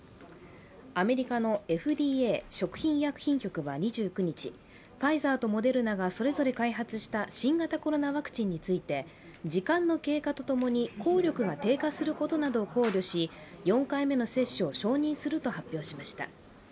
アメリカのＦＤＡ＝食品医薬品局は２９日、ファイザーとモデルナがそれぞれ開発した新型コロナウイルスについて時間の経過とともに効力が低下することなどを考慮し、４回目の接種を承認すると発表しました。